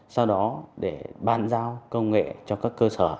sau đó để bàn giao công nghệ cho các cơ sở